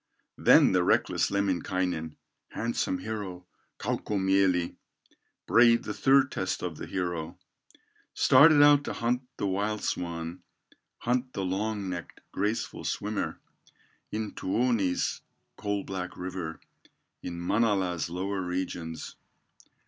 Then the reckless Lemminkainen, Handsome hero, Kaukomieli, Braved the third test of the hero, Started out to hunt the wild swan, Hunt the long necked, graceful swimmer, In Tuoni's coal black river, In Manala's lower regions.